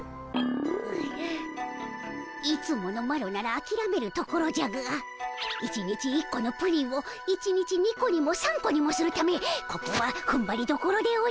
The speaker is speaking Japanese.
うぐいつものマロならあきらめるところじゃが１日１個のプリンを１日２個にも３個にもするためここはふんばりどころでおじゃる。